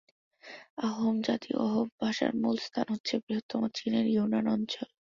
আহোম জাতি ও আহোম ভাষার মুল স্থান হচ্ছে বৃহত্তম চীনের ইউনান অঞ্চল।